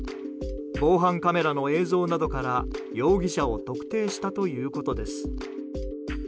防犯カメラの映像などから容疑者を特定したということです。